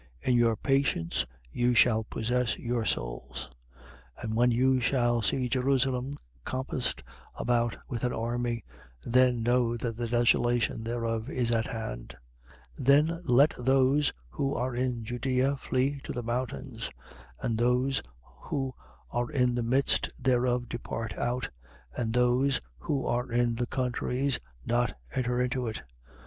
In your patience you shall possess your souls. 21:20. And when you shall see Jerusalem compassed about with an army, then know that the desolation thereof is at hand. 21:21. Then let those who are in Judea flee to the mountains: and those who are in the midst thereof depart out: and those who are in the countries not enter into it.